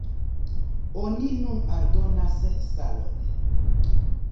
Oni nun aldonas salon.